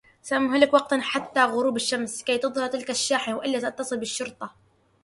سأمهلك وقتا حتّى غروب الشّمس كي تظهر تلك الشّاحنة، و إلاّ سأتّصل بالشّرطة.